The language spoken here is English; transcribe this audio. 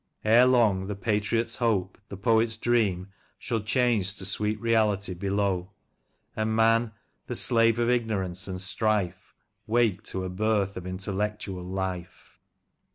Ere long the patriot's hope, the poet's dream, Shall change to sweet reality below ; And man, the slave of ignorance and strife, Wake to a birth of intellectual life."